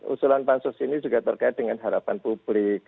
usulan pansus ini juga terkait dengan harapan publik